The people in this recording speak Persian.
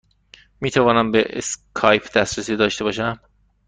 می توانم به اسکایپ دسترسی داشته باشم؟